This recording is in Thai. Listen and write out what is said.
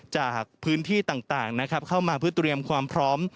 จากพื้นที่ต่างนะครับเข้ามาเพื่อเตรียมความพร้อม